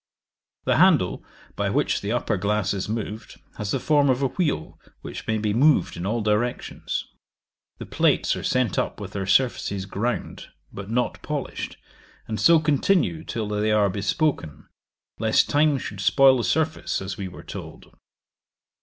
The handle, by which the upper glass is moved, has the form of a wheel, which may be moved in all directions. The plates are sent up with their surfaces ground, but not polished, and so continue till they are bespoken, lest time should spoil the surface, as we were told.